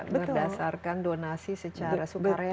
berdasarkan donasi secara sukarela